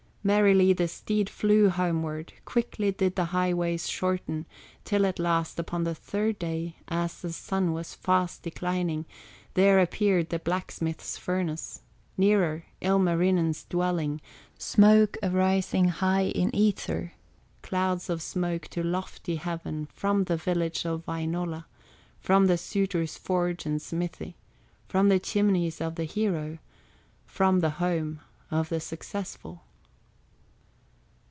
Merrily the steed flew homeward, Quickly did the highways shorten, Till at last upon the third day, As the sun was fast declining, There appeared the blacksmith's furnace, Nearer, Ilmarinen's dwelling, Smoke arising high in ether, Clouds of smoke to lofty heaven, From the village of Wainola, From the suitor's forge and smithy, From the chimneys of the hero, From the home of the successful.